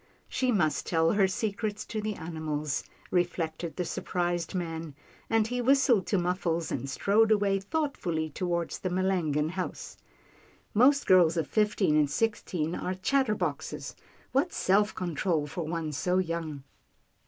" She must tell her secrets to the animals," re flected the surprised man, and he whistled to Muffles, and strode away thoughtfully toward the Melangon house. " Most girls of fifteen and six teen are chatterboxes. What self control for one so young."